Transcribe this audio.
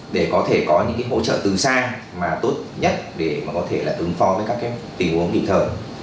để có thể có những cái hỗ trợ từ xa mà tốt nhất để mà có thể là ứng phó với các cái tình huống kịp thời